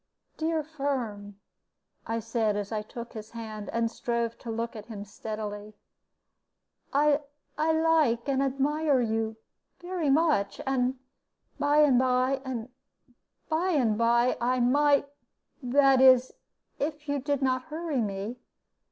"Dear Firm," I said, as I took his hand and strove to look at him steadily, "I like and admire you very much; and by and by by and by, I might, that is, if you did not hurry me.